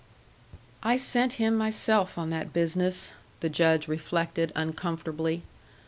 "I sent him myself on that business," the Judge reflected uncomfortably.